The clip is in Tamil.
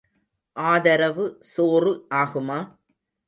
ஆதரவு சோறு ஆகுமா?